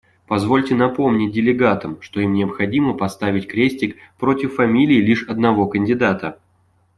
Позвольте напомнить делегатам, что им необходимо поставить крестик против фамилии лишь одного кандидата.